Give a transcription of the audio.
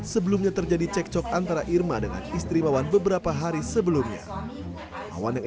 sebelumnya terjadi cekcok antara irma dengan istri mawan beberapa hari sebelumnya wawan yang